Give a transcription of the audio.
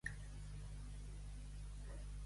Vendre'l, com Judes a Nostre Senyor.